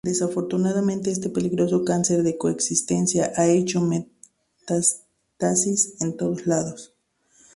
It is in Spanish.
Desafortunadamente, este peligroso cáncer de coexistencia ha hecho metástasis en todos lados.